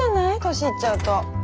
年いっちゃうと。